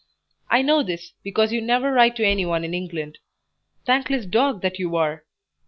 I know this, because you never write to any one in England. Thankless dog that you are!